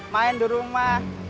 main di rumah